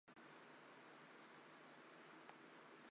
构成胶原的氨基酸序列非常有特色。